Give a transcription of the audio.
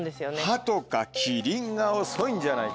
ハトかキリンが遅いんじゃないかと。